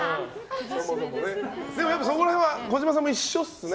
そこら辺は児嶋さんも一緒ですね。